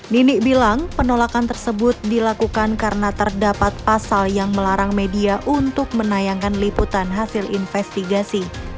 nini bilang penolakan tersebut dilakukan karena terdapat pasal yang melarang media untuk menayangkan liputan hasil investigasi